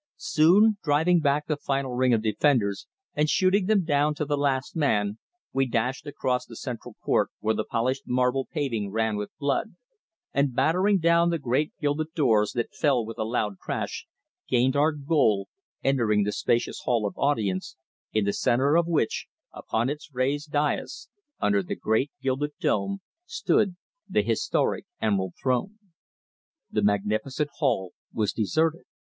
Soon, driving back the final ring of defenders, and shooting them down to the last man, we dashed across the central court, where the polished marble paving ran with blood, and battering down the great gilded doors, that fell with a loud crash, gained our goal, entering the spacious Hall of Audience, in the centre of which, upon its raised daïs, under the great gilded dome, stood the historic Emerald Throne. The magnificent hall was deserted.